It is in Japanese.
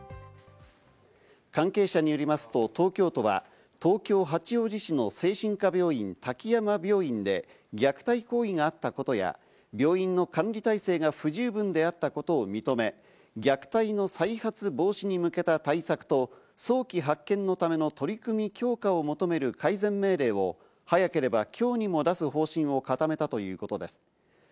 関係者によりますと東京都は、東京・八王子市の精神科病院、滝山病院にて虐待行為があったことや、病院の管理体制が不十分であったことを認め、虐待の再発防止に向けた対策と、早期発見のための取り組み強化を求める改善命令を早ければ今日にも出す方針を固めたということです。